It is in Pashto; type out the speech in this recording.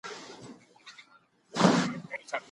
فرعي روغتیایي مرکزونه څه کار کوي؟